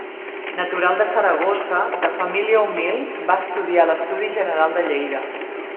Natural de Saragossa, de família humil va estudiar a l’Estudi General de Lleida.